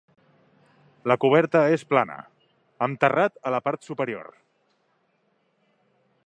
La coberta és plana, amb terrat a la part superior.